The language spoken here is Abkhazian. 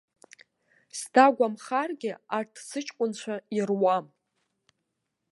Сдагәамхаргьы арҭ сыҷкәынцәа ируам.